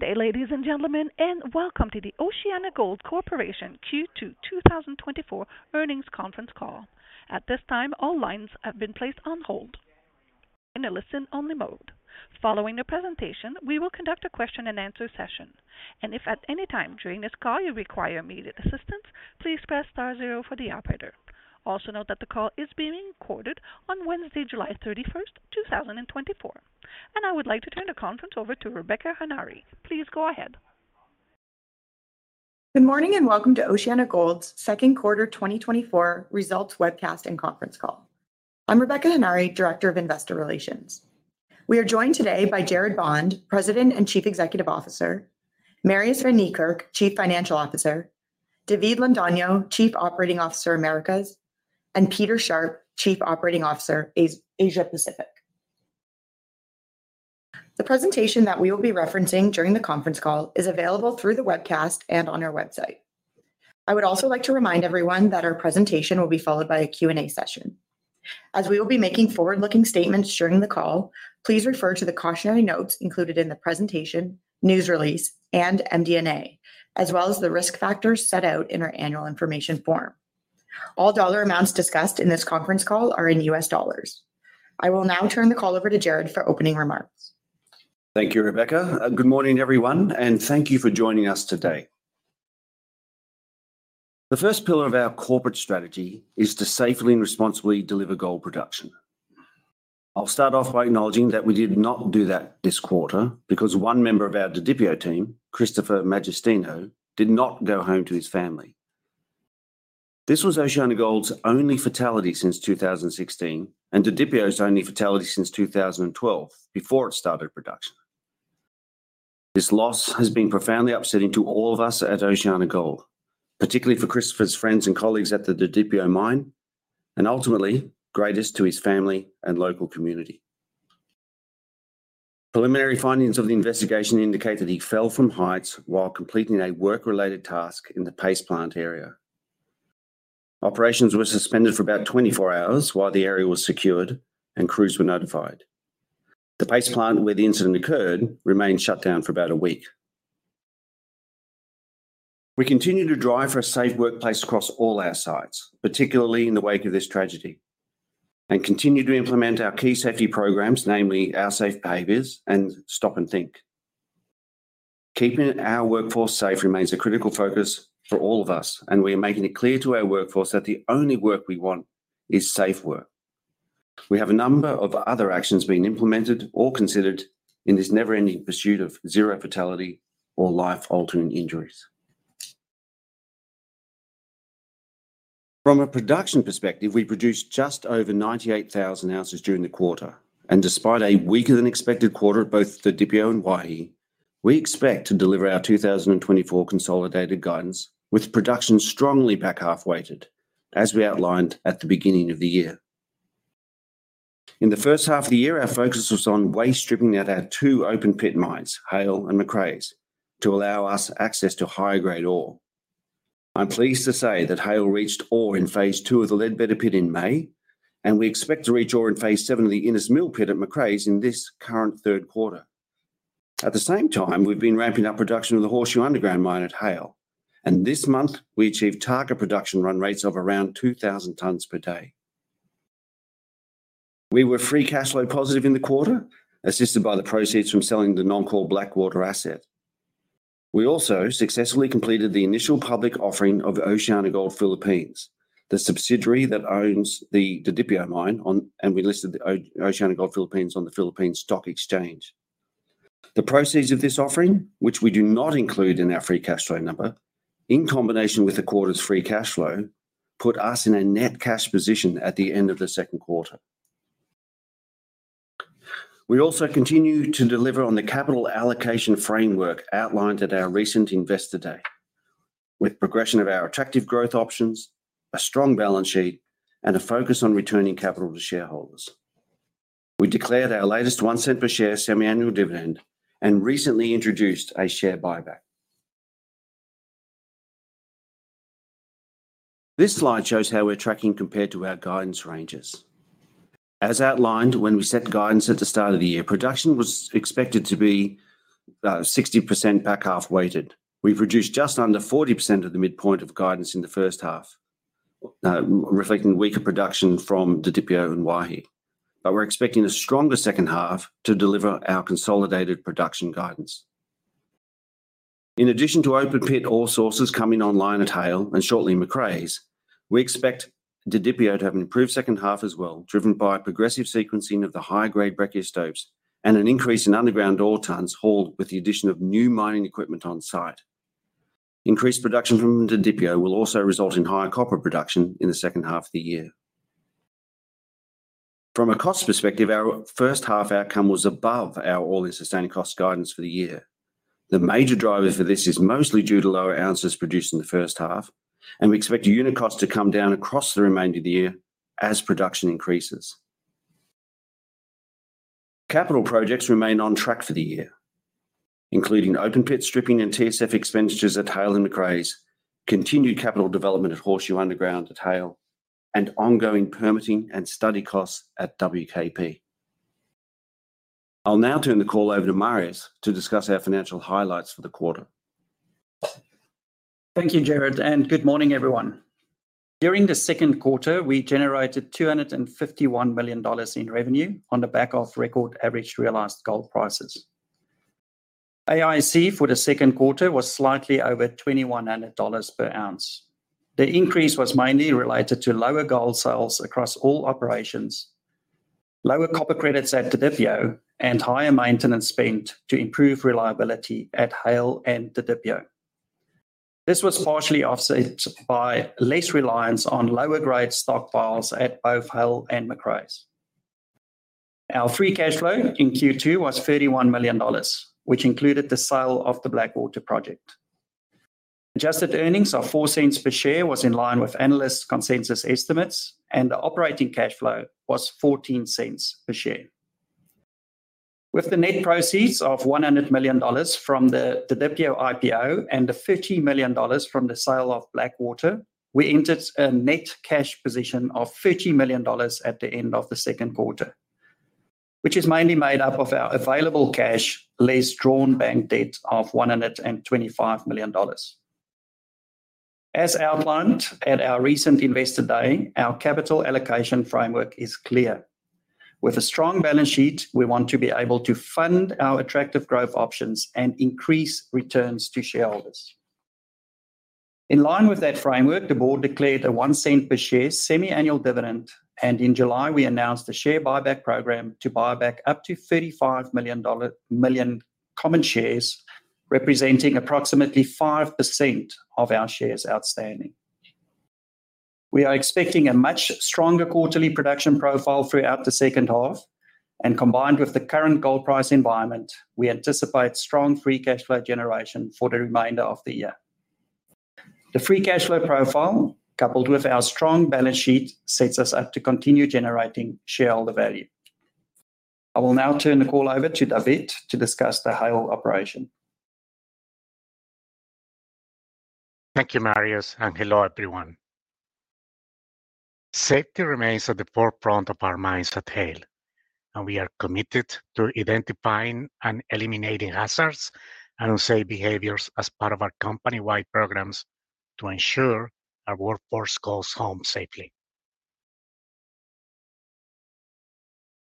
Good day, ladies and gentlemen, and welcome to the OceanaGold Corporation Q2 2024 earnings conference call. At this time, all lines have been placed on hold. In a listen-only mode. Following the presentation, we will conduct a question-and-answer session, and if at any time during this call you require immediate assistance, please press star zero for the operator. Also note that the call is being recorded on Wednesday, July 31st, 2024, and I would like to turn the conference over to Rebecca Henare. Please go ahead. Good morning and welcome to OceanaGold's second quarter 2024 results webcast and conference call. I'm Rebecca Henare, Director of Investor Relations. We are joined today by Gerard Bond, President and Chief Executive Officer; Marius van Niekerk, Chief Financial Officer; David Londono, Chief Operating Officer Americas; and Peter Sharpe, Chief Operating Officer, Asia Pacific. The presentation that we will be referencing during the conference call is available through the webcast and on our website. I would also like to remind everyone that our presentation will be followed by a Q&A session. As we will be making forward-looking statements during the call, please refer to the cautionary notes included in the presentation, news release, and MD&A, as well as the risk factors set out in our annual information form. All dollar amounts discussed in this conference call are in U.S. dollars. I will now turn the call over to Gerard for opening remarks. Thank you, Rebecca. Good morning, everyone, and thank you for joining us today. The first pillar of our corporate strategy is to safely and responsibly deliver gold production. I'll start off by acknowledging that we did not do that this quarter because one member of our Didipio team, Christopher Magistrado, did not go home to his family. This was OceanaGold's only fatality since 2016, and Didipio's only fatality since 2012, before it started production. This loss has been profoundly upsetting to all of us at OceanaGold, particularly for Christopher's friends and colleagues at the Didipio mine, and ultimately, greatest to his family and local community. Preliminary findings of the investigation indicate that he fell from heights while completing a work-related task in the paste plant area. Operations were suspended for about 24 hours while the area was secured, and crews were notified. The paste plant where the incident occurred remained shut down for about a week. We continue to drive for a safe workplace across all our sites, particularly in the wake of this tragedy, and continue to implement our key safety programs, namely Our Safe Behaviours and Stop and Think. Keeping our workforce safe remains a critical focus for all of us, and we are making it clear to our workforce that the only work we want is safe work. We have a number of other actions being implemented or considered in this never-ending pursuit of zero fatality or life-altering injuries. From a production perspective, we produced just over 98,000 ounces during the quarter, and despite a weaker-than-expected quarter at both Didipio and Waihi, we expect to deliver our 2024 consolidated guidance, with production strongly back half-weighted, as we outlined at the beginning of the year. In the first half of the year, our focus was on waste stripping at our two open pit mines, Haile and Macraes, to allow us access to higher-grade ore. I'm pleased to say that Haile reached ore in phase two of the Ledbetter pit in May, and we expect to reach ore in phase seven of the Innes Mills pit at Macraes in this current third quarter. At the same time, we've been ramping up production of the Horseshoe Underground mine at Haile, and this month we achieved target production run rates of around 2,000 tonnes per day. We were free cash flow positive in the quarter, assisted by the proceeds from selling the non-core Blackwater asset. We also successfully completed the initial public offering of OceanaGold Philippines, the subsidiary that owns the Didipio mine, and we listed OceanaGold Philippines on the Philippine Stock Exchange. The proceeds of this offering, which we do not include in our free cash flow number, in combination with the quarter's free cash flow, put us in a net cash position at the end of the second quarter. We also continue to deliver on the capital allocation framework outlined at our recent Investor Day, with progression of our attractive growth options, a strong balance sheet, and a focus on returning capital to shareholders. We declared our latest $0.01 per share semi-annual dividend and recently introduced a share buyback. This slide shows how we're tracking compared to our guidance ranges. As outlined when we set guidance at the start of the year, production was expected to be 60% back half-weighted. We produced just under 40% of the midpoint of guidance in the first half, reflecting weaker production from Didipio and Waihi, but we're expecting a stronger second half to deliver our consolidated production guidance. In addition to open pit ore sources coming online at Haile and shortly Macraes, we expect Didipio to have an improved second half as well, driven by progressive sequencing of the high-grade breccia stopes and an increase in underground ore tons hauled with the addition of new mining equipment on site. Increased production from Didipio will also result in higher copper production in the second half of the year. From a cost perspective, our first half outcome was above our all-in sustaining costs guidance for the year. The major driver for this is mostly due to lower ounces produced in the first half, and we expect unit costs to come down across the remainder of the year as production increases. Capital projects remain on track for the year, including open pit stripping and TSF expenditures at Haile and Macraes, continued capital development at Horseshoe Underground at Haile, and ongoing permitting and study costs at WKP. I'll now turn the call over to Marius to discuss our financial highlights for the quarter. Thank you, Gerard, and good morning, everyone. During the second quarter, we generated $251 million in revenue on the back of record-average realized gold prices. AIC for the second quarter was slightly over $2,100 per ounce. The increase was mainly related to lower gold sales across all operations, lower copper credits at Didipio, and higher maintenance spent to improve reliability at Haile and Didipio. This was partially offset by less reliance on lower-grade stockpiles at both Haile and Macraes. Our free cash flow in Q2 was $31 million, which included the sale of the Blackwater project. Adjusted earnings of $0.04 per share was in line with analyst consensus estimates, and the operating cash flow was $0.14 per share. With the net proceeds of $100 million from the Didipio IPO and the $50 million from the sale of Blackwater, we entered a net cash position of $30 million at the end of the second quarter, which is mainly made up of our available cash less drawn bank debt of $125 million. As outlined at our recent Investor Day, our capital allocation framework is clear. With a strong balance sheet, we want to be able to fund our attractive growth options and increase returns to shareholders. In line with that framework, the board declared a $0.01 per share semi-annual dividend, and in July, we announced a share buyback program to buy back up to 35 million common shares, representing approximately 5% of our shares outstanding. We are expecting a much stronger quarterly production profile throughout the second half, and combined with the current gold price environment, we anticipate strong free cash flow generation for the remainder of the year. The free cash flow profile, coupled with our strong balance sheet, sets us up to continue generating shareholder value. I will now turn the call over to David to discuss the Haile operation. Thank you, Marius, and hello, everyone. Safety remains at the forefront of our minds at Haile, and we are committed to identifying and eliminating hazards and unsafe behaviors as part of our company-wide programs to ensure our workforce goes home safely.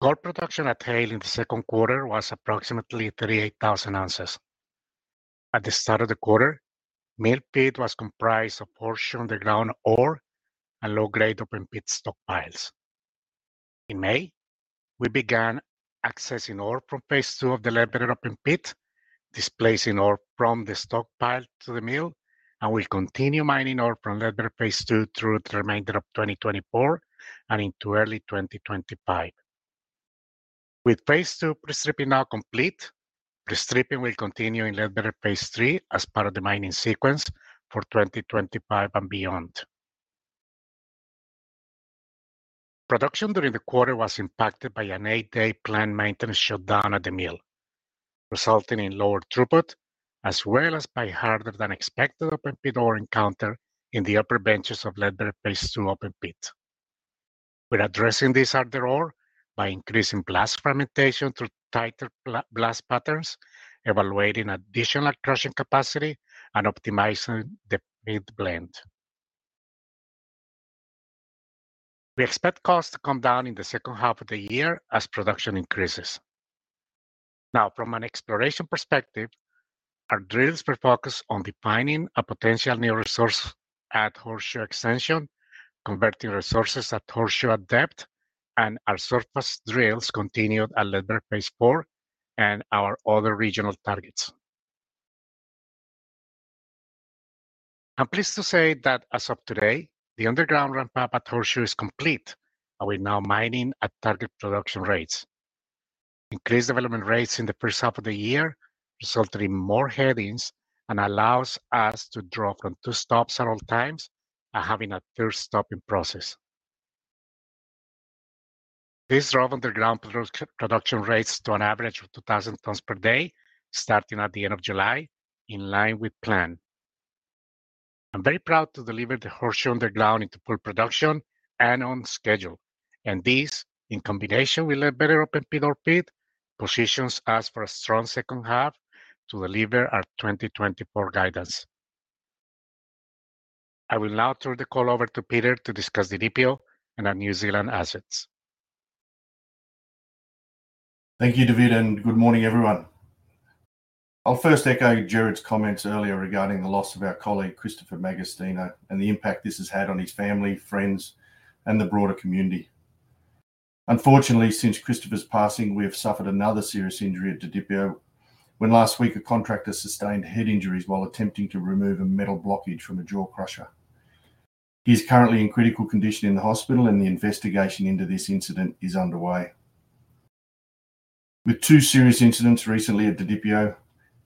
Gold production at Haile in the second quarter was approximately 38,000 ounces. At the start of the quarter, mill feed was comprised of Horseshoe Underground ore and low-grade open pit stockpiles. In May, we began accessing ore from phase two of the Ledbetter open pit, displacing ore from the stockpile to the mill, and we'll continue mining ore from Ledbetter phase two through the remainder of 2024 and into early 2025. With phase two pre-stripping now complete, pre-stripping will continue in Ledbetter phase three as part of the mining sequence for 2025 and beyond. Production during the quarter was impacted by an eight-day planned maintenance shutdown at the mill, resulting in lower throughput, as well as by harder-than-expected open pit ore encountered in the upper benches of Ledbetter phase two open pit. We're addressing this harder ore by increasing blast fragmentation through tighter blast patterns, evaluating additional crushing capacity, and optimizing the pit blend. We expect costs to come down in the second half of the year as production increases. Now, from an exploration perspective, our drills were focused on defining a potential new resource at Horseshoe Extension, converting resources at Horseshoe at depth, and our surface drills continued at Ledbetter phase four and our other regional targets. I'm pleased to say that as of today, the underground ramp-up at Horseshoe is complete, and we're now mining at target production rates. Increased development rates in the first half of the year resulted in more headings and allows us to draw from two stopes at all times and having a third stope in process. This drove underground production rates to an average of 2,000 tonnes per day, starting at the end of July, in line with plan. I'm very proud to deliver the Horseshoe Underground into full production and on schedule, and this, in combination with Ledbetter open pit, positions us for a strong second half to deliver our 2024 guidance. I will now turn the call over to Peter to discuss Didipio and our New Zealand assets. Thank you, David, and good morning, everyone. I'll first echo Gerard's comments earlier regarding the loss of our colleague Christopher Magistrado and the impact this has had on his family, friends, and the broader community. Unfortunately, since Christopher's passing, we have suffered another serious injury at Didipio when last week a contractor sustained head injuries while attempting to remove a metal blockage from a jaw crusher. He's currently in critical condition in the hospital, and the investigation into this incident is underway. With two serious incidents recently at Didipio,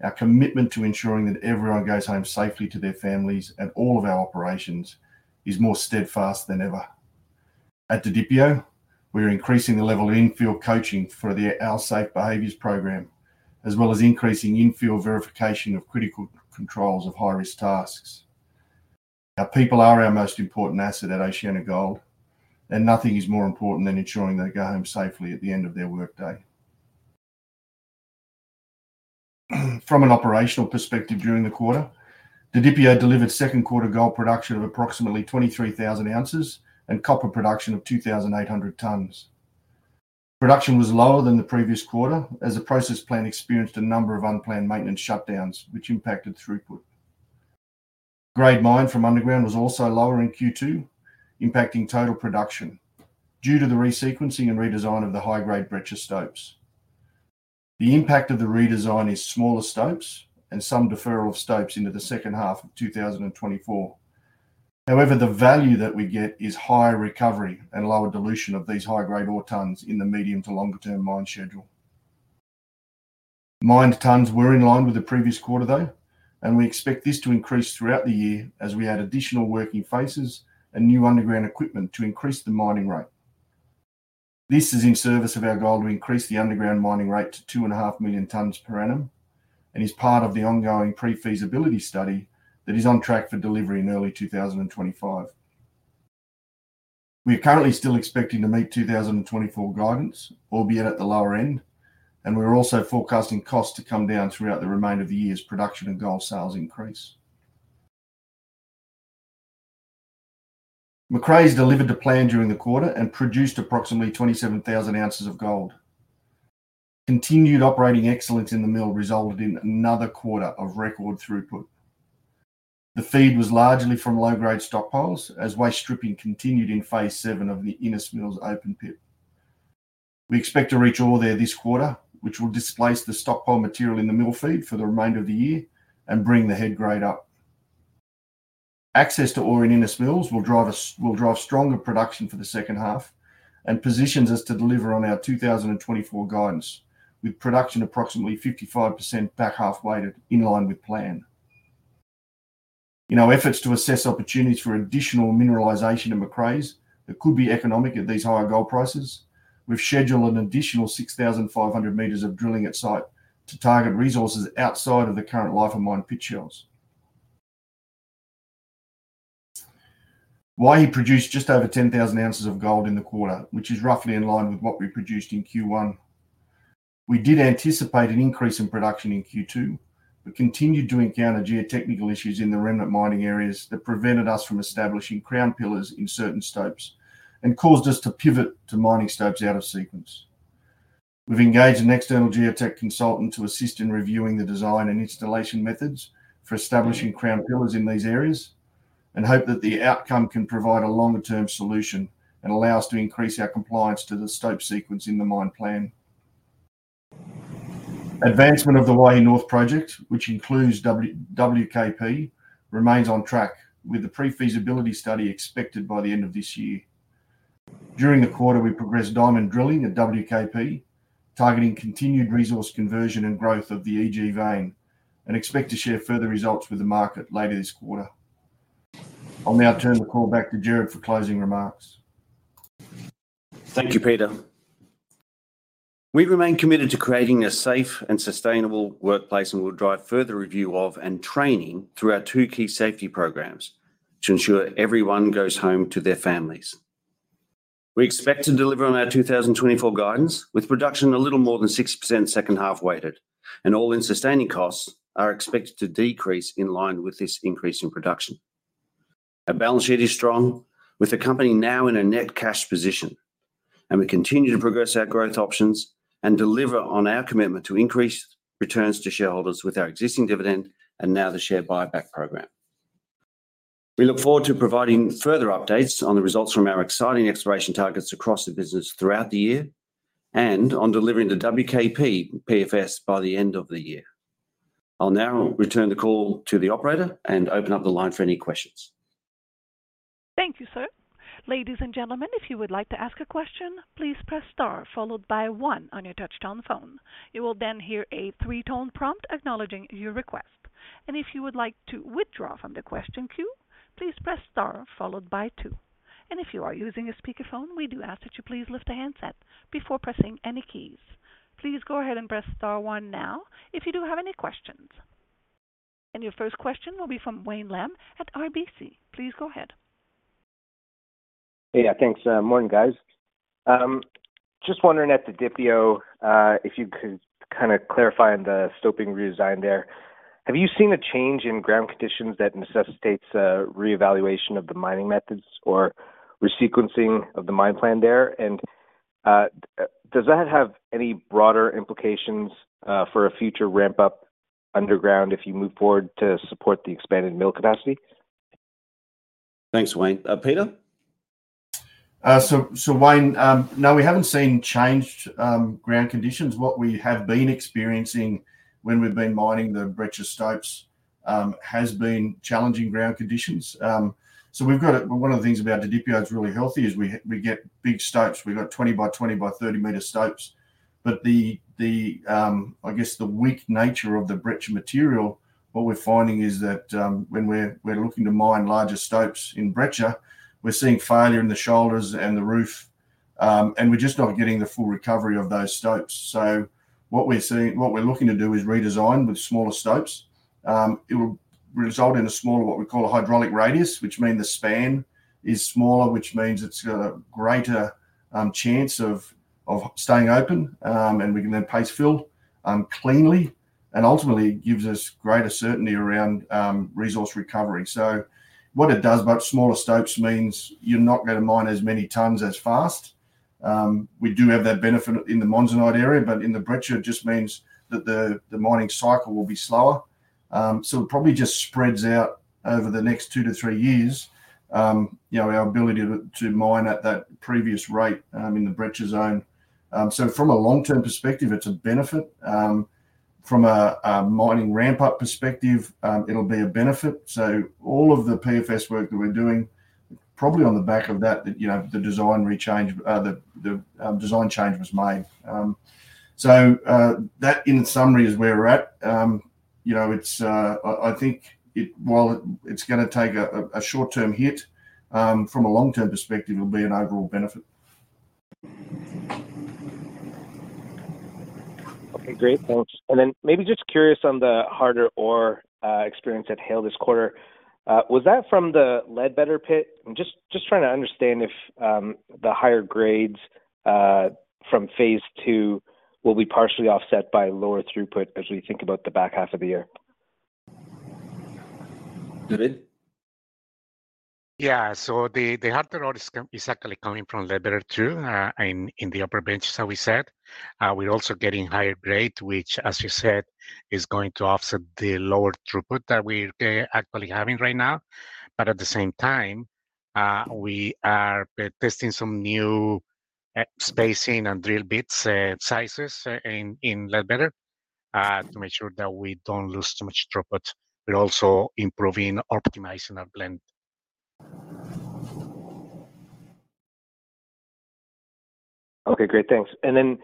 our commitment to ensuring that everyone goes home safely to their families and all of our operations is more steadfast than ever. At Didipio, we're increasing the level of in-field coaching for the Our Safe Behaviours program, as well as increasing in-field verification of critical controls of high-risk tasks. Our people are our most important asset at OceanaGold, and nothing is more important than ensuring they go home safely at the end of their workday. From an operational perspective during the quarter, Didipio delivered second quarter gold production of approximately 23,000 ounces and copper production of 2,800 tonnes. Production was lower than the previous quarter as the process plant experienced a number of unplanned maintenance shutdowns, which impacted throughput. Grade mined from underground was also lower in Q2, impacting total production due to the resequencing and redesign of the high-grade breccia stopes. The impact of the redesign is smaller stopes and some deferral of stopes into the second half of 2024. However, the value that we get is higher recovery and lower dilution of these high-grade ore tonnes in the medium to longer-term mine schedule. Mined tonnes were in line with the previous quarter, though, and we expect this to increase throughout the year as we add additional working phases and new underground equipment to increase the mining rate. This is in service of our goal to increase the underground mining rate to 2.5 million tonnes per annum and is part of the ongoing pre-feasibility study that is on track for delivery in early 2025. We are currently still expecting to meet 2024 guidance, albeit at the lower end, and we're also forecasting costs to come down throughout the remainder of the year as production and gold sales increase. Macraes delivered the plan during the quarter and produced approximately 27,000 ounces of gold. Continued operating excellence in the mill resulted in another quarter of record throughput. The feed was largely from low-grade stockpiles as waste stripping continued in phase seven of the Innes Mills open pit. We expect to reach ore there this quarter, which will displace the stockpile material in the mill feed for the remainder of the year and bring the head grade up. Access to ore in Innes Mills will drive stronger production for the second half and positions us to deliver on our 2024 guidance, with production approximately 55% back half-weighted in line with plan. In our efforts to assess opportunities for additional mineralization in Macraes that could be economic at these higher gold prices, we've scheduled an additional 6,500 meters of drilling at site to target resources outside of the current life of mine pit shells. Waihi produced just over 10,000 ounces of gold in the quarter, which is roughly in line with what we produced in Q1. We did anticipate an increase in production in Q2, but continued to encounter geotechnical issues in the remnant mining areas that prevented us from establishing crown pillars in certain stopes and caused us to pivot to mining stopes out of sequence. We've engaged an external geotech consultant to assist in reviewing the design and installation methods for establishing crown pillars in these areas and hope that the outcome can provide a longer-term solution and allow us to increase our compliance to the stope sequence in the mine plan. Advancement of the Waihi North Project, which includes WKP, remains on track with the pre-feasibility study expected by the end of this year. During the quarter, we progressed diamond drilling at WKP, targeting continued resource conversion and growth of the EG vein, and expect to share further results with the market later this quarter. I'll now turn the call back to Gerard for closing remarks. Thank you, Peter. We remain committed to creating a safe and sustainable workplace and will drive further review of and training through our two key safety programs to ensure everyone goes home to their families. We expect to deliver on our 2024 guidance with production a little more than 6% second half-weighted, and all in sustaining costs are expected to decrease in line with this increase in production. Our balance sheet is strong, with the company now in a net cash position, and we continue to progress our growth options and deliver on our commitment to increase returns to shareholders with our existing dividend and now the share buyback program. We look forward to providing further updates on the results from our exciting exploration targets across the business throughout the year and on delivering the WKP PFS by the end of the year. I'll now return the call to the operator and open up the line for any questions. Thank you, sir. Ladies and gentlemen, if you would like to ask a question, please press star followed by one on your touch-tone phone. You will then hear a three-tone prompt acknowledging your request. And if you would like to withdraw from the question queue, please press star followed by two. And if you are using a speakerphone, we do ask that you please lift a handset before pressing any keys. Please go ahead and press star one now if you do have any questions. And your first question will be from Wayne Lam at RBC. Please go ahead. Hey, thanks. Morning, guys. Just wondering at Didipio if you could kind of clarify on the stope redesign there. Have you seen a change in ground conditions that necessitates a reevaluation of the mining methods or re-sequencing of the mine plan there? And does that have any broader implications for a future ramp-up underground if you move forward to support the expanded mill capacity? Thanks, Wayne. Peter? So Wayne, no, we haven't seen changed ground conditions. What we have been experiencing when we've been mining the breccia stopes has been challenging ground conditions. So one of the things about Didipio that's really healthy is we get big stopes. We've got 20 by 20 by 30 meters stopes. But I guess the weak nature of the breccia material, what we're finding is that when we're looking to mine larger stopes in breccia, we're seeing failure in the shoulders and the roof, and we're just not getting the full recovery of those stopes. So what we're looking to do is redesign with smaller stopes. It will result in a smaller, what we call a hydraulic radius, which means the span is smaller, which means it's got a greater chance of staying open, and we can then paste fill cleanly, and ultimately gives us greater certainty around resource recovery. So what it does, but smaller stopes means you're not going to mine as many tons as fast. We do have that benefit in the Monzonite area, but in the breccia, it just means that the mining cycle will be slower. So it probably just spreads out over the next 2-3 years, our ability to mine at that previous rate in the breccia zone. So from a long-term perspective, it's a benefit. From a mining ramp-up perspective, it'll be a benefit. So all of the PFS work that we're doing, probably on the back of that, the design change was made. So that, in summary, is where we're at. I think while it's going to take a short-term hit, from a long-term perspective, it'll be an overall benefit. Okay, great. Thanks. And then maybe just curious on the harder ore experience at Haile this quarter. Was that from the Ledbetter pit? I'm just trying to understand if the higher grades from phase two will be partially offset by lower throughput as we think about the back half of the year. David? Yeah. So the harder ore is actually coming from Ledbetter 2 in the upper benches, as we said. We're also getting higher grade, which, as you said, is going to offset the lower throughput that we're actually having right now. But at the same time, we are testing some new spacing and drill bits sizes in Ledbetter to make sure that we don't lose too much throughput. We're also improving or optimizing our blend. Okay, great. Thanks. And then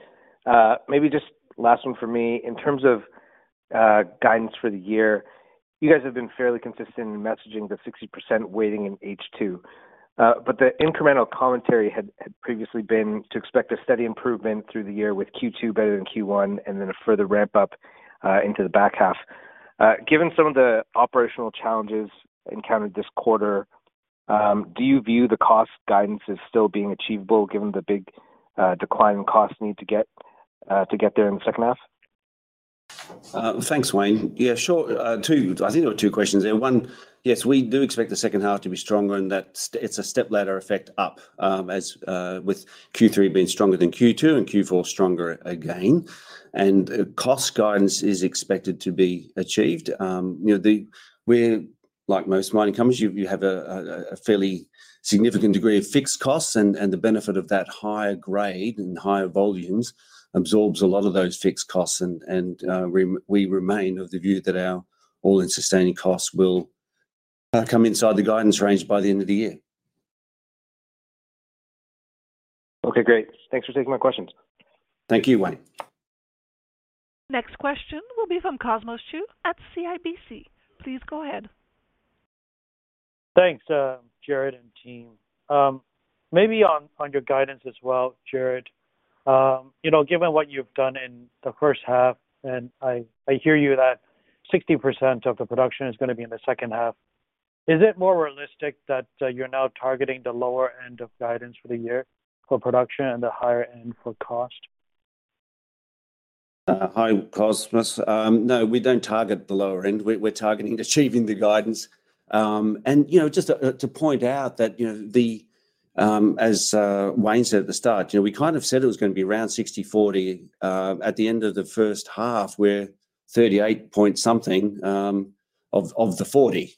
maybe just last one for me. In terms of guidance for the year, you guys have been fairly consistent in messaging the 60% weighting in H2. But the incremental commentary had previously been to expect a steady improvement through the year with Q2 better than Q1 and then a further ramp-up into the back half. Given some of the operational challenges encountered this quarter, do you view the cost guidance as still being achievable given the big decline in cost need to get there in the second half? Thanks, Wayne. Yeah, sure. I think there were two questions there. One, yes, we do expect the second half to be stronger and that it's a step ladder effect up with Q3 being stronger than Q2 and Q4 stronger again. And cost guidance is expected to be achieved. Like most mining companies, you have a fairly significant degree of fixed costs, and the benefit of that higher grade and higher volumes absorbs a lot of those fixed costs. And we remain of the view that our all in sustaining costs will come inside the guidance range by the end of the year. Okay, great. Thanks for taking my questions. Thank you, Wayne. Next question will be from Cosmos Chiu at CIBC. Please go ahead. Thanks, Gerard and team. Maybe on your guidance as well, Gerard, given what you've done in the first half, and I hear you that 60% of the production is going to be in the second half. Is it more realistic that you're now targeting the lower end of guidance for the year for production and the higher end for cost? Hi, Cosmos. No, we don't target the lower end. We're targeting achieving the guidance. Just to point out that, as Wayne said at the start, we kind of said it was going to be around 60/40. At the end of the first half, we're 38 point something of the 40.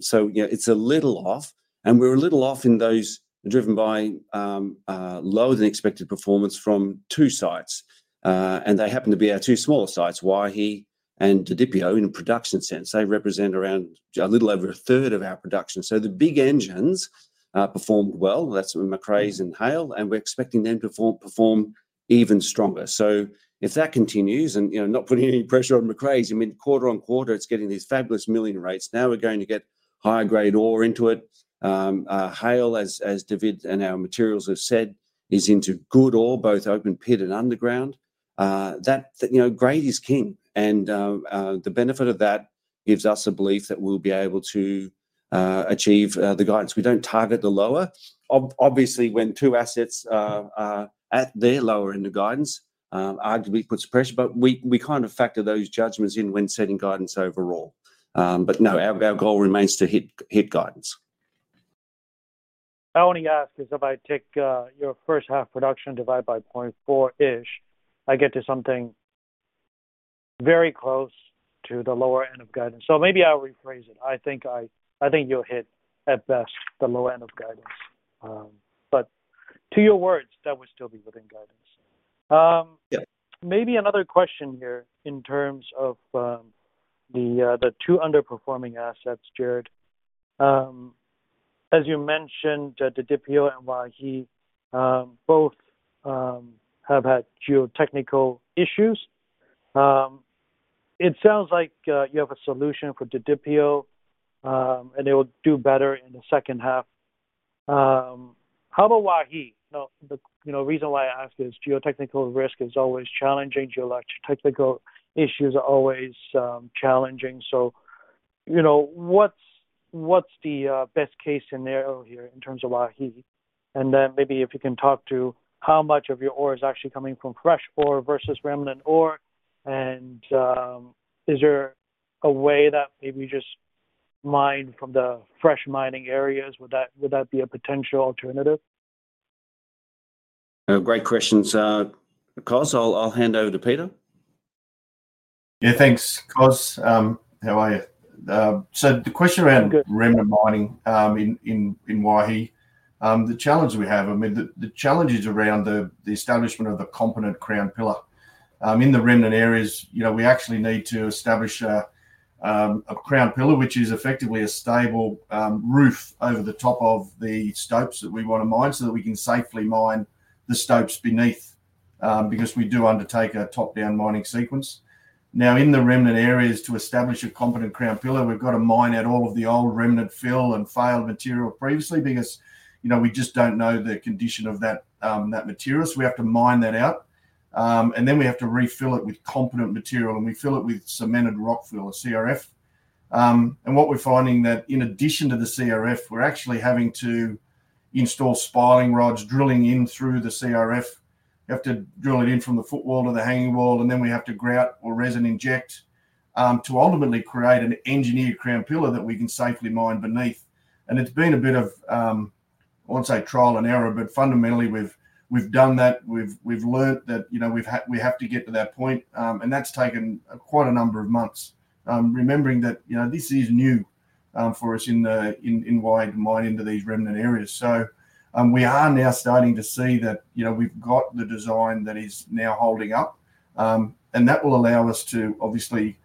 So it's a little off, and we're a little off in those driven by lower than expected performance from two sites. They happen to be our two smaller sites, Waihi and Didipio in a production sense. They represent around a little over a third of our production. So the big engines performed well. That's Macraes and Haile, and we're expecting them to perform even stronger. So if that continues, and not putting any pressure on Macraes, I mean, quarter-over-quarter, it's getting these fabulous million rates. Now we're going to get higher grade ore into it. Haile, as David and our materials have said, is into good ore, both open pit and underground. Grade is king, and the benefit of that gives us a belief that we'll be able to achieve the guidance. We don't target the lower. Obviously, when two assets are at their lower end of guidance, arguably puts pressure, but we kind of factor those judgments in when setting guidance overall. But no, our goal remains to hit guidance. I only ask is if I take your first half production divide by 0.4-ish, I get to something very close to the lower end of guidance. So maybe I'll rephrase it. I think you'll hit at best the lower end of guidance. But to your words, that would still be within guidance. Maybe another question here in terms of the two underperforming assets, Gerard. As you mentioned, Didipio and Waihi both have had geotechnical issues. It sounds like you have a solution for Didipio, and it will do better in the second half. How about Waihi? The reason why I ask is geotechnical risk is always challenging. Geotechnical issues are always challenging. So what's the best case scenario here in terms of Waihi? And then maybe if you can talk to how much of your ore is actually coming from fresh ore versus remnant ore, and is there a way that maybe just mine from the fresh mining areas? Would that be a potential alternative? Great questions. Cos, I'll hand over to Peter. Yeah, thanks. Cos, how are you? So the question around remnant mining in Waihi, the challenge we have, I mean, the challenge is around the establishment of a competent crown pillar. In the remnant areas, we actually need to establish a crown pillar, which is effectively a stable roof over the top of the stopes that we want to mine so that we can safely mine the stopes beneath because we do undertake a top-down mining sequence. Now, in the remnant areas, to establish a competent crown pillar, we've got to mine out all of the old remnant fill and failed material previously because we just don't know the condition of that material. So we have to mine that out, and then we have to refill it with competent material, and we fill it with cemented rock fill, a CRF. What we're finding that in addition to the CRF, we're actually having to install spiling rods, drilling in through the CRF. You have to drill it in from the footwall to the hanging wall, and then we have to grout or resin inject to ultimately create an engineered crown pillar that we can safely mine beneath. And it's been a bit of, I won't say trial and error, but fundamentally, we've done that. We've learned that we have to get to that point, and that's taken quite a number of months, remembering that this is new for us in Waihi to mine into these remnant areas. So we are now starting to see that we've got the design that is now holding up, and that will allow us to obviously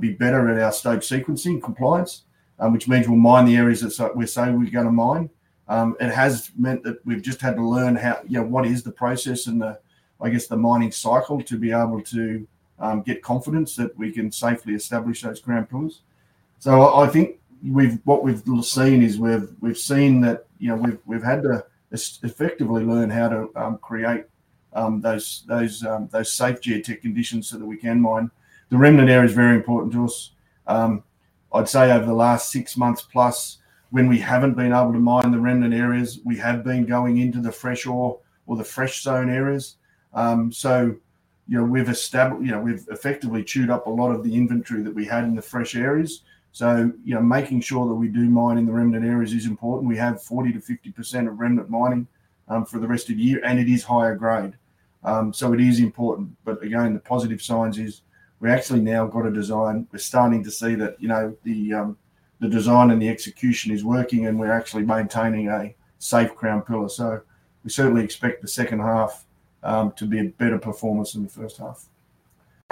be better at our stope sequencing compliance, which means we'll mine the areas that we say we're going to mine. It has meant that we've just had to learn what is the process and, I guess, the mining cycle to be able to get confidence that we can safely establish those crown pillars. So I think what we've seen is we've seen that we've had to effectively learn how to create those safe geotech conditions so that we can mine. The remnant area is very important to us. I'd say over the last six months plus, when we haven't been able to mine the remnant areas, we have been going into the fresh ore or the fresh zone areas. So we've effectively chewed up a lot of the inventory that we had in the fresh areas. So making sure that we do mine in the remnant areas is important. We have 40%-50% of remnant mining for the rest of the year, and it is higher grade. So it is important. But again, the positive signs is we actually now got a design. We're starting to see that the design and the execution is working, and we're actually maintaining a safe crown pillar. So we certainly expect the second half to be a better performance than the first half.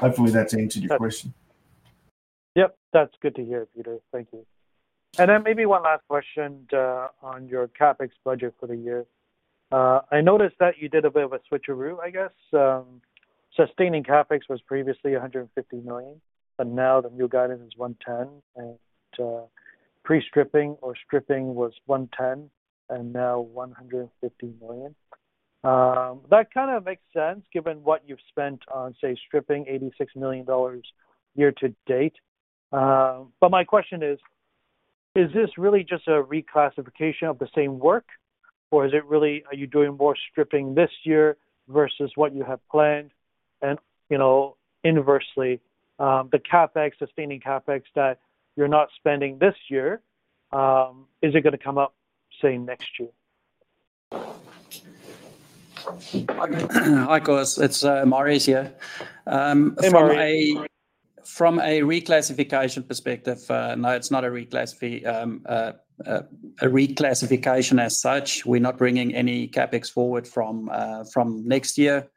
Hopefully, that's answered your question. Yep. That's good to hear, Peter. Thank you. And then maybe one last question on your CapEx budget for the year. I noticed that you did a bit of a switcheroo, I guess. Sustaining CapEx was previously $150 million, but now the new guidance is $110 million, and pre-stripping or stripping was $110 million, and now $150 million. That kind of makes sense given what you've spent on, say, stripping, $86 million year to date. But my question is, is this really just a reclassification of the same work, or are you doing more stripping this year versus what you have planned? And inversely, the CapEx, sustaining CapEx that you're not spending this year, is it going to come up, say, next year? Hi, Cos. It's Marius here. From a reclassification perspective, no, it's not a reclassification as such. We're not bringing any CapEx forward from next year.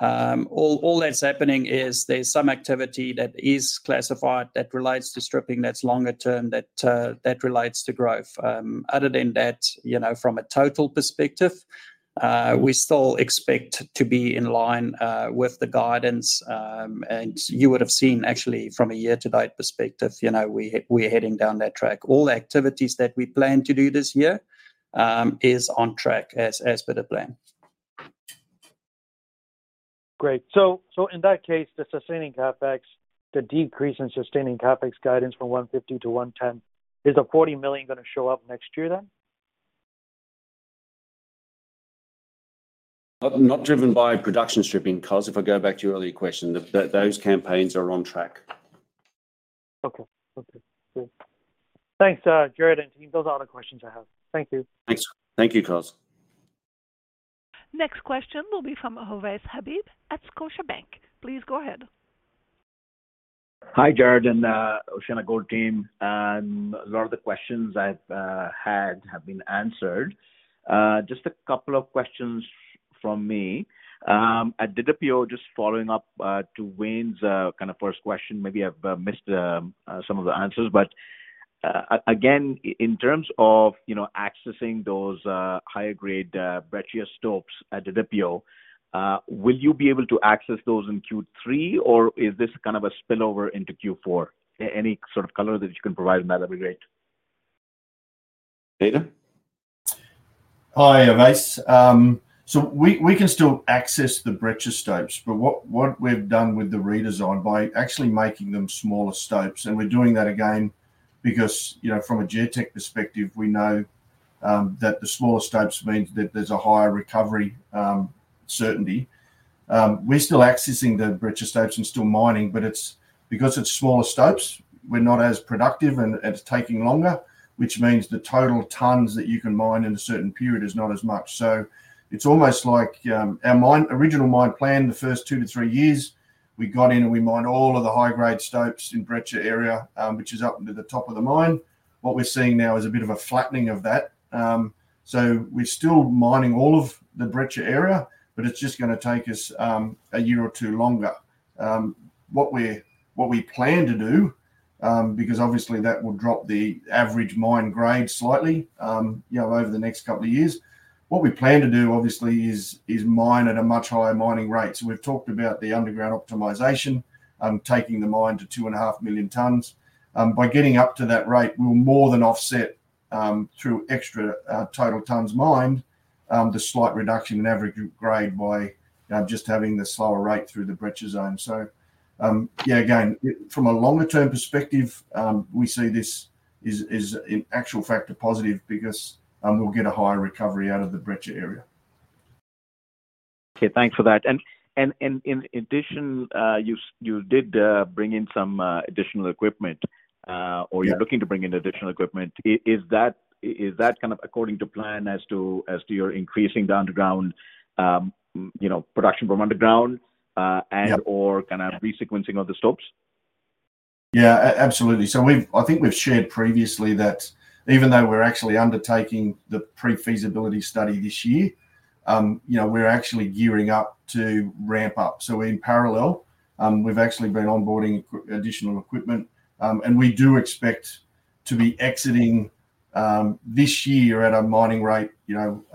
All that's happening is there's some activity that is classified that relates to stripping that's longer term that relates to growth. Other than that, from a total perspective, we still expect to be in line with the guidance. You would have seen, actually, from a year-to-date perspective, we're heading down that track. All activities that we plan to do this year are on track as per the plan. Great. So in that case, the sustaining CapEx, the decrease in sustaining CapEx guidance from $150 million to $110 million, is the $40 million going to show up next year then? Not driven by production stripping, Cos. If I go back to your earlier question, those campaigns are on track. Okay. Okay. Thanks, Gerard and team. Those are all the questions I have. Thank you. Thanks. Thank you, Cos. Next question will be from Ovais Habib at Scotiabank. Please go ahead. Hi, Gerard and OceanaGold team. A lot of the questions I've had have been answered. Just a couple of questions from me. At Didipio, just following up to Wayne's kind of first question, maybe I've missed some of the answers. But again, in terms of accessing those higher-grade breccia stopes at Didipio, will you be able to access those in Q3, or is this kind of a spillover into Q4? Any sort of color that you can provide on that, that'd be great. Peter? Hi, Ovais. So we can still access the breccia stopes, but what we've done with the redesign by actually making them smaller stopes. And we're doing that again because from a geotech perspective, we know that the smaller stopes mean that there's a higher recovery certainty. We're still accessing the breccia stopes and still mining, but because it's smaller stopes, we're not as productive and it's taking longer, which means the total tons that you can mine in a certain period is not as much. So it's almost like our original mine plan, the first 2-3 years, we got in and we mined all of the high-grade stopes in breccia area, which is up to the top of the mine. What we're seeing now is a bit of a flattening of that. So we're still mining all of the breccia area, but it's just going to take us a year or two longer. What we plan to do, because obviously that will drop the average mine grade slightly over the next couple of years, what we plan to do obviously is mine at a much higher mining rate. So we've talked about the underground optimization, taking the mine to 2.5 million tons. By getting up to that rate, we'll more than offset through extra total tons mined the slight reduction in average grade by just having the slower rate through the breccia zone. So yeah, again, from a longer-term perspective, we see this is an actual factor positive because we'll get a higher recovery out of the breccia area. Okay. Thanks for that. And in addition, you did bring in some additional equipment, or you're looking to bring in additional equipment. Is that kind of according to plan as to your increasing the underground production from underground and/or kind of re-sequencing of the stopes? Yeah, absolutely. So I think we've shared previously that even though we're actually undertaking the pre-feasibility study this year, we're actually gearing up to ramp up. So in parallel, we've actually been onboarding additional equipment, and we do expect to be exiting this year at a mining rate in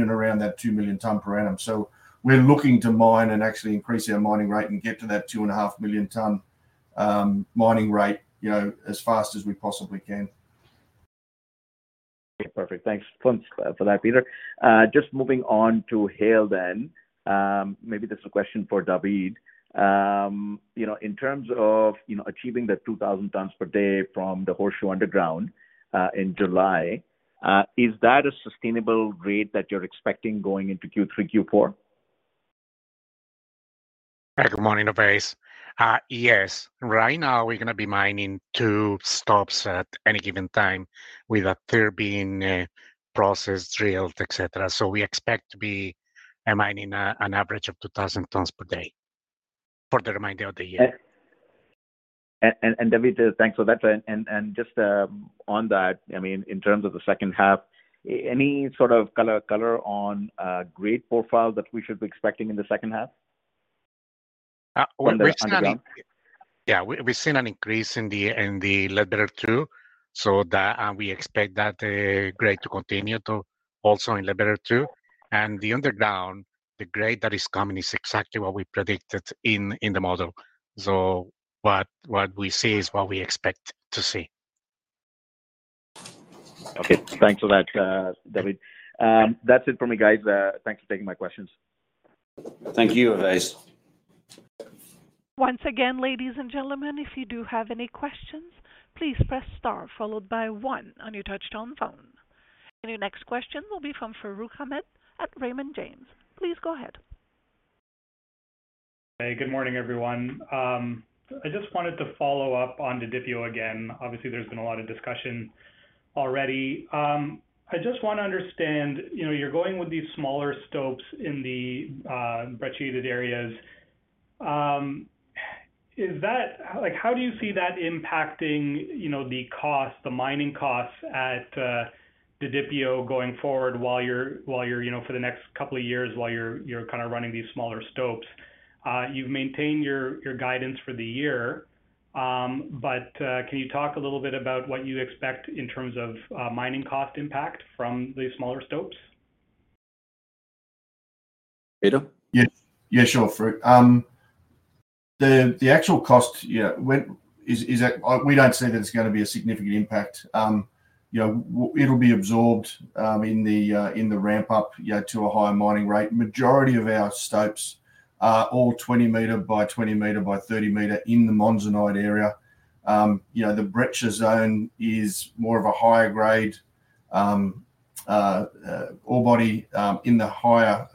and around that 2 million ton per annum. So we're looking to mine and actually increase our mining rate and get to that 2.5 million ton mining rate as fast as we possibly can. Okay. Perfect. Thanks, comps, for that, Peter. Just moving on to Haile then. Maybe this is a question for David. In terms of achieving the 2,000 tons per day from the Horseshoe Underground in July, is that a sustainable rate that you're expecting going into Q3, Q4? Hi, good morning, Ovais. Yes. Right now, we're going to be mining two stopes at any given time with a turbine process drilled, etc. So we expect to be mining an average of 2,000 tons per day for the remainder of the year. And David, thanks for that. Just on that, I mean, in terms of the second half, any sort of color on grade profile that we should be expecting in the second half? Yeah. We've seen an increase in the Ledbetter 2, so we expect that grade to continue to also in Ledbetter 2. The underground, the grade that is coming is exactly what we predicted in the model. What we see is what we expect to see. Okay. Thanks for that, David. That's it for me, guys. Thanks for taking my questions. Thank you, Ovais. Once again, ladies and gentlemen, if you do have any questions, please press star followed by one on your touch-tone phone. Your next question will be from Farooq Hamed at Raymond James. Please go ahead. Hey, good morning, everyone. I just wanted to follow up on Didipio again. Obviously, there's been a lot of discussion already. I just want to understand, you're going with these smaller stopes in the breccia areas. How do you see that impacting the cost, the mining costs at Didipio going forward for the next couple of years while you're kind of running these smaller stopes? You've maintained your guidance for the year, but can you talk a little bit about what you expect in terms of mining cost impact from the smaller stopes? Peter? Yeah, sure. The actual cost, yeah, we don't see that it's going to be a significant impact. It'll be absorbed in the ramp up to a higher mining rate. Majority of our stopes are all 20 meter by 20 meter by 30 meter in the Monzonite area. The breccia zone is more of a higher grade ore body in the higher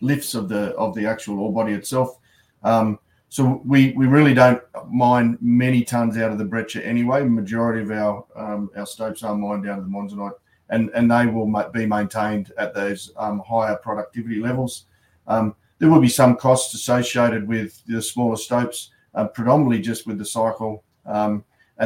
lifts of the actual ore body itself. So we really don't mine many tons out of the breccia anyway. Majority of our stopes are mined down to the Monzonite, and they will be maintained at those higher productivity levels. There will be some costs associated with the smaller stopes, predominantly just with the cycle and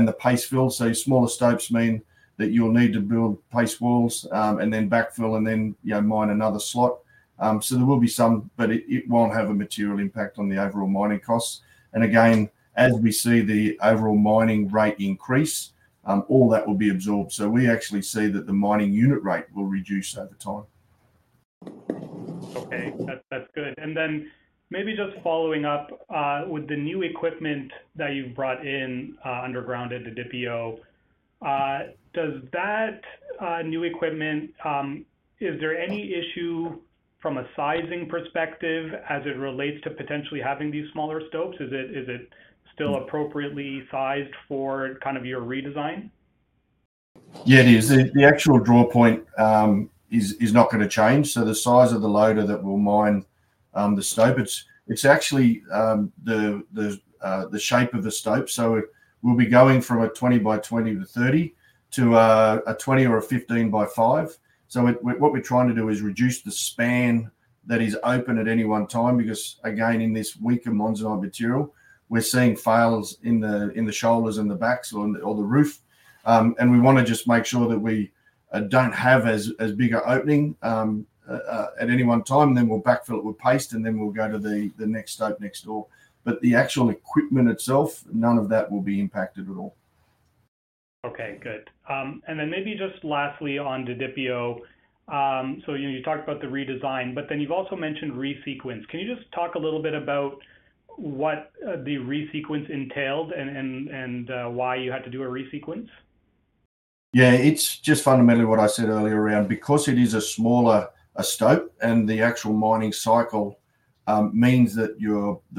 the paste fill. So smaller stopes mean that you'll need to build paste walls and then backfill and then mine another slot. There will be some, but it won't have a material impact on the overall mining costs. Again, as we see the overall mining rate increase, all that will be absorbed. We actually see that the mining unit rate will reduce over time. Okay. That's good. And then maybe just following up with the new equipment that you've brought in underground at Didipio, does that new equipment, is there any issue from a sizing perspective as it relates to potentially having these smaller stopes? Is it still appropriately sized for kind of your redesign? Yeah, it is. The actual draw point is not going to change. So the size of the loader that will mine the stope, it's actually the shape of the stope. So we'll be going from a 20 by 20 to 30 to a 20 or a 15 by 5. So what we're trying to do is reduce the span that is open at any one time because, again, in this weaker Monzonite material, we're seeing fails in the shoulders and the backs or the roof. And we want to just make sure that we don't have as big an opening at any one time. Then we'll backfill it with paste, and then we'll go to the next stope next door. But the actual equipment itself, none of that will be impacted at all. Okay. Good. And then maybe just lastly on Didipio, so you talked about the redesign, but then you've also mentioned re-sequence. Can you just talk a little bit about what the re-sequence entailed and why you had to do a re-sequence? Yeah. It's just fundamentally what I said earlier around because it is a smaller stope and the actual mining cycle means that,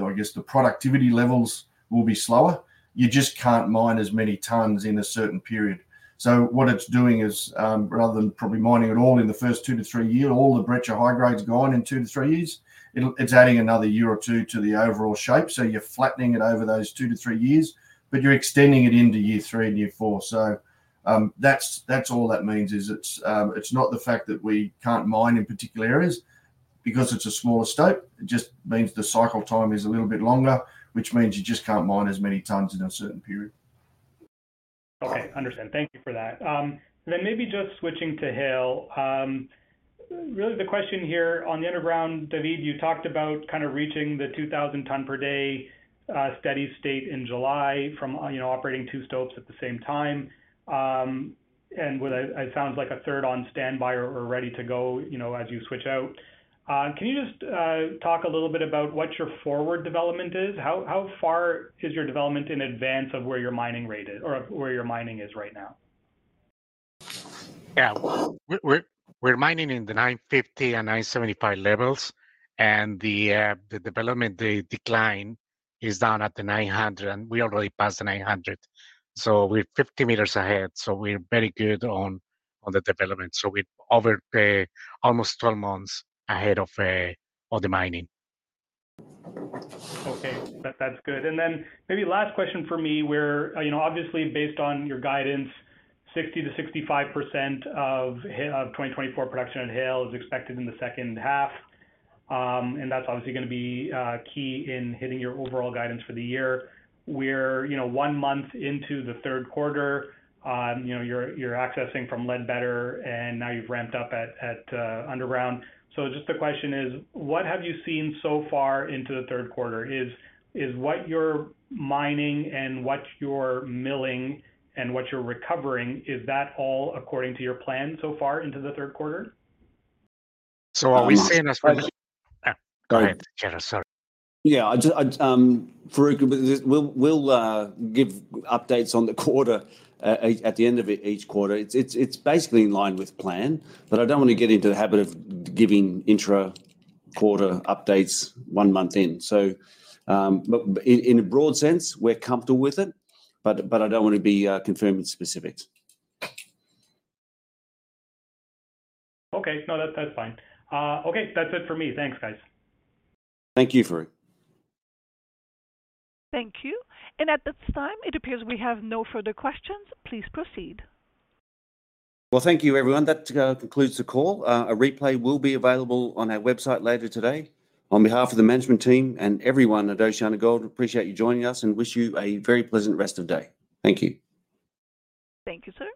I guess, the productivity levels will be slower. You just can't mine as many tons in a certain period. So what it's doing is, rather than probably mining it all in the first 2-3 years, all the breccia high grades going in 2-3 years, it's adding another year or two to the overall shape. So you're flattening it over those 2-3 years, but you're extending it into year three and year four. So that's all that means is it's not the fact that we can't mine in particular areas because it's a smaller stope. It just means the cycle time is a little bit longer, which means you just can't mine as many tons in a certain period. Okay. Understood. Thank you for that. Then maybe just switching to Haile. Really, the question here on the underground, David, you talked about kind of reaching the 2,000 ton per day steady state in July from operating two stopes at the same time. And it sounds like a third on standby or ready to go as you switch out. Can you just talk a little bit about what your forward development is? How far is your development in advance of where your mining rate is or where your mining is right now? Yeah. We're mining in the 950 and 975 levels, and the development decline is down at the 900. We already passed the 900. So we're 50 meters ahead. So we're very good on the development. So we've overpay almost 12 months ahead of the mining. Okay. That's good. And then maybe last question for me, obviously, based on your guidance, 60%-65% of 2024 production at Haile is expected in the second half. And that's obviously going to be key in hitting your overall guidance for the year. We're one month into the third quarter. You're accessing from Ledbetter, and now you've ramped up at underground. So just the question is, what have you seen so far into the third quarter? Is what you're mining and what you're milling and what you're recovering, is that all according to your plan so far into the third quarter? Are we seeing as well? Go ahead. Yeah. We'll give updates on the quarter at the end of each quarter. It's basically in line with plan, but I don't want to get into the habit of giving intra-quarter updates one month in. So in a broad sense, we're comfortable with it, but I don't want to be confirming specifics. Okay. No, that's fine. Okay. That's it for me. Thanks, guys. Thank you, Farooq. Thank you. At this time, it appears we have no further questions. Please proceed. Well, thank you, everyone. That concludes the call. A replay will be available on our website later today. On behalf of the management team and everyone at OceanaGold, appreciate you joining us and wish you a very pleasant rest of the day. Thank you. Thank you, sir.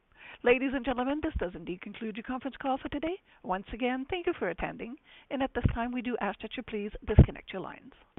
Ladies and gentlemen, this does indeed conclude your conference call for today. Once again, thank you for attending. At this time, we do ask that you please disconnect your lines.